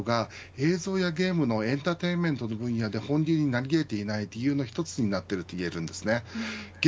これもまたＶＲなどが映像やゲームなどのエンターテインメントの分野で本流になり得ていない理由の１つとなっていいと言えます。